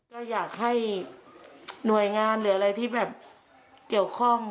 ก็อยากให้หน่วยงานหรืออะไรที่แบบเกี่ยวข้อง